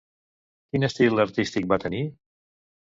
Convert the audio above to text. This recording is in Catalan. Quin estil artístic va tenir?